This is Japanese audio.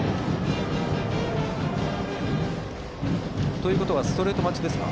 ということはストレート待ちですか。